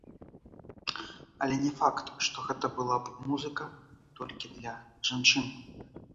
Але не факт, што гэта была б музыка толькі для жанчын.